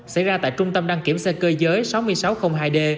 xảy ra tại trung tâm đăng kiểm xe cơ giới sáu nghìn sáu trăm linh hai d